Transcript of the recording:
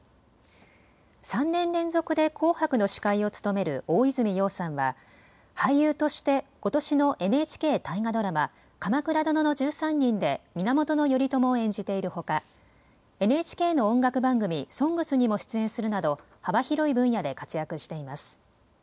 ３年連続で紅白の司会を務める大泉洋さんは俳優としてことしのＮＨＫ大河ドラマ、鎌倉殿の１３人で源頼朝を演じているほか、ＮＨＫの音楽番組、ＳＯＮＧＳにも出演するなど幅広い分野で活躍しています。